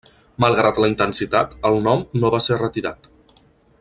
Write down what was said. Malgrat la intensitat, el nom no va ser retirat.